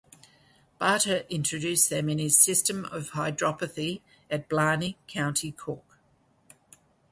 Barter introduced them in his system of hydropathy at Blarney, County Cork.